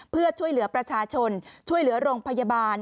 เพื่อช่วยเหลือประชาชนช่วยเหลือโรงพยาบาล